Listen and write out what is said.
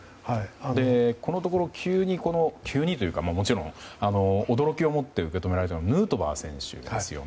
このところ急にというかもちろん驚きを持って受け止められたヌートバー選手ですよね。